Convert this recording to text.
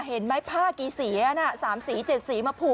เห็นไหมผ้ากี่สีอันนั้นสามสีเจ็ดสีมาผูก